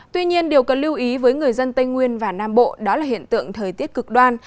tuy nhiên điều cần lưu ý với người dân tây nguyên và nam bộ đó là hiện tượng thời tiết cực đoan